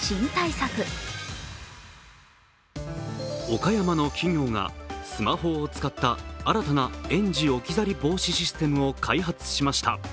岡山の企業がスマホを使った新たな園児置き去り防止システムを開発しました。